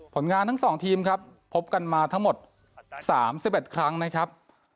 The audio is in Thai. ผลงานทั้ง๒ทีมครับพบกันมาทั้งหมด๓๑ครั้งนะครับ